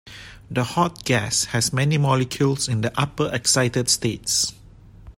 The hot gas has many molecules in the upper excited states.